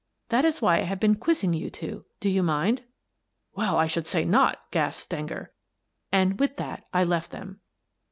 That is why I have been quizzing you two. Do you mind?" " Well, I should say not," gasped Stenger. And with that I left them.